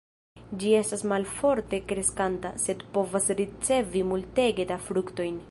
Ĝi estas malforte kreskanta, sed povas ricevi multege da fruktojn.